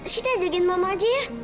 sita jagain mama aja ya